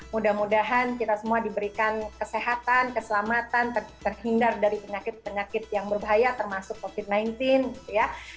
mudah mudahan kita semua diberikan kesehatan keselamatan terhindar dari penyakit penyakit yang berbahaya termasuk covid sembilan belas ya